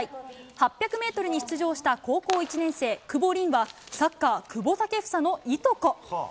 ８００メートルに出場した高校１年生、久保凛は、サッカー、久保建英のいとこ。